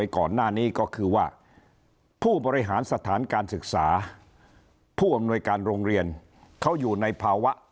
คุณบุ๊คครับคุณน้ำแข็งครับ